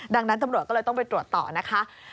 ดังนั้นตำรวจก็เลยต้องไปตรวจต่อนะคะ